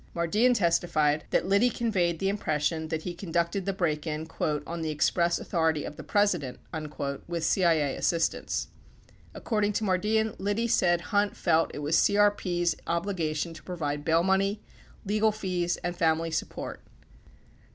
54 Mardian testified 55 that Liddy conveyed the impression that he conducted the break in "on the express authority of the President" with CIA assistance. According to Mardian, Liddy said Hunt felt it was CRP's obligation to provide bail money, legal fees and family support.